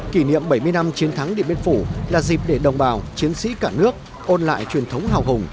kỷ niệm bảy mươi năm chiến thắng điện biên phủ là dịp để đồng bào chiến sĩ cả nước ôn lại truyền thống hào hùng